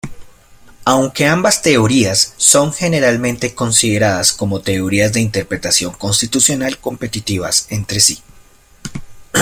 Aunque ambas teorías son generalmente consideradas como teorías de interpretación constitucional competitivas entre sí.